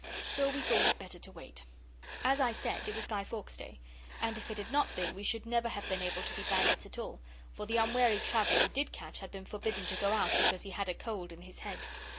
So we thought it better to wait. As I said, it was Guy Fawkes Day, and if it had not been we should never have been able to be bandits at all, for the unwary traveller we did catch had been forbidden to go out because he had a cold in his head.